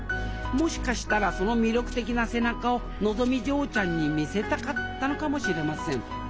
もしかしたらその魅力的な背中をのぞみ嬢ちゃんに見せたかったのかもしれません。